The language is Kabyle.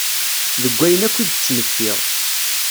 Deg wayen akk i d-ttmektiɣ.